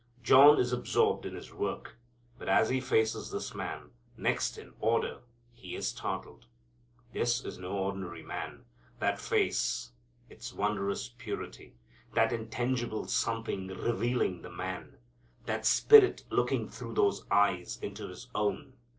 John is absorbed in his work, but as he faces this Man, next in order, he is startled. This is no ordinary man. That face! Its wondrous purity! That intangible something revealing the man! That spirit looking through those eyes into his own!